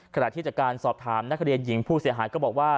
ขณะที่จากการสอบถามนักเรียนหญิงผู้เสียหายก็บอกว่า